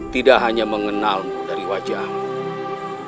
tidak hanya mengenalmu dari wajahmu